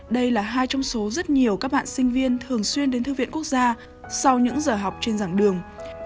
đây là hai trong số rất nhiều các bạn sinh viên thường xuyên đến thư viện quốc gia sau những giờ học trên dạng đường